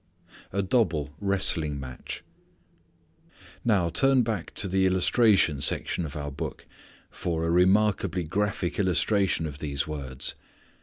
A double Wrestling Match. Now turn back to the illustration section of our Book for a remarkably graphic illustration of these words.